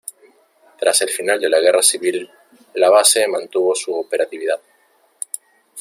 Tras el final de la Guerra Civil, la base mantuvo su operatividad.